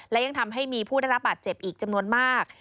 และยังทำให้มีผู้ได้รับบาดเจ็บอีกจำนวนมาก